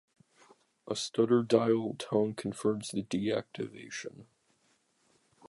A stutter dial tone confirms the de-activation.